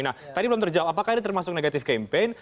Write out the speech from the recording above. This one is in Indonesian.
nah tadi belum terjawab apakah ini termasuk negatif campaign